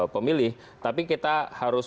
pemilih tapi kita harus